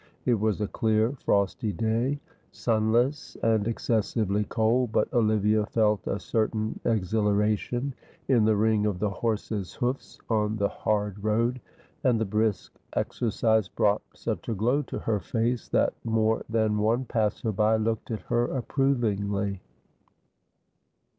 It was a clear, frosty day, sunless and excessively cold, but Olivia felt a certain exhilaration in the ring of the horses' hoofs on the hard road, and the brisk exercise brought such a glow to her face, that more than one passer by looked at her approvingly.